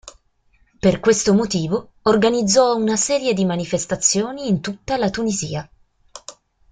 Per questo motivo organizzò una serie di manifestazioni in tutta la Tunisia.